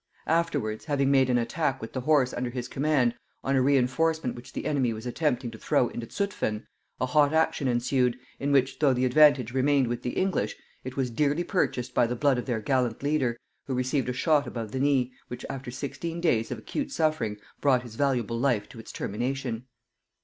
Afterwards, having made an attack with the horse under his command on a reinforcement which the enemy was attempting to throw into Zutphen, a hot action ensued, in which though the advantage remained with the English, it was dearly purchased by the blood of their gallant leader, who received a shot above the knee, which after sixteen days of acute suffering brought his valuable life to its termination.